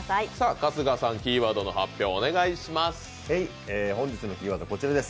春日さん、キーワードの発表をお願いします。